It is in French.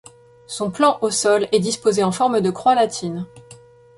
Son plan au sol est disposé en forme de croix latine.